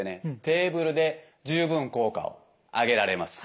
テーブルで十分効果を上げられます。